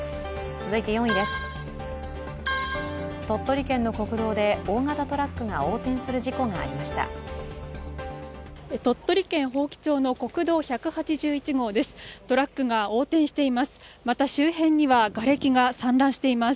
続いて４位です。